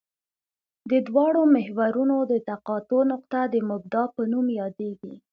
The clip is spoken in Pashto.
د دواړو محورونو د تقاطع نقطه د مبدا په نوم یادیږي